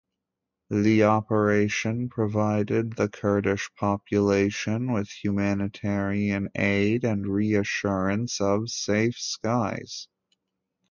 The operation provided the Kurdish population with humanitarian aid and reassurance of safe skies.